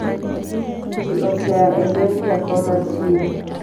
Ji osea eliend jakom mar chiro